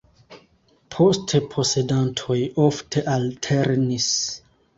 Poste posedantoj ofte alternis.